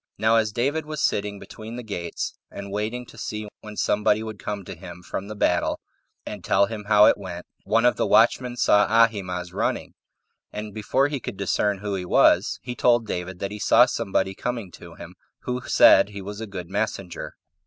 Now as David was sitting between the gates, 18 and waiting to see when somebody would come to him from the battle, and tell him how it went, one of the watchmen saw Ahimaaz running, and before he could discern who he was, he told David that he saw somebody coming to him, who said he was a good messenger.